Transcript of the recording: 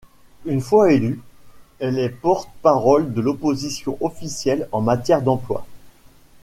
Une fois élue, elle est porte-parole de l'opposition officielle en matière d'emploi.